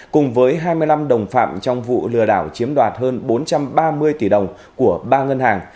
cùng với hai mươi năm đồng phạm trong vụ lừa đảo chiếm đoạt hơn bốn trăm ba mươi tỷ đồng của ba ngân hàng